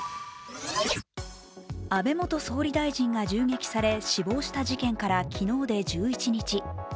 安倍元総理大臣が銃撃され死亡した事件から昨日で１１日。